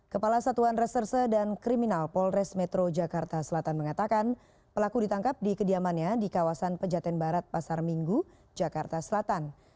kepala satuan reserse dan kriminal polres metro jakarta selatan mengatakan pelaku ditangkap di kediamannya di kawasan pejaten barat pasar minggu jakarta selatan